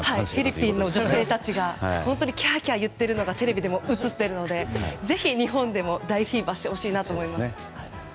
フィリピンの女性たちがキャーキャー言っているのがテレビでも映っているのでぜひ、日本でも大フィーバーしてほしいと思います。